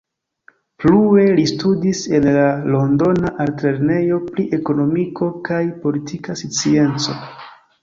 Plue li studis en la Londona Altlernejo pri Ekonomiko kaj Politika Scienco.